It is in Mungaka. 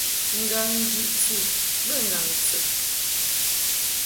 Ngaŋ jiʼti bə ŋgaŋ tɨn.